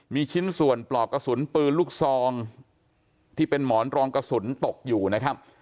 มีชิ้นส่วนปลอกกระสุนปืนลูกซองที่เป็นหมอนรองกระสุนตกอยู่นะครับ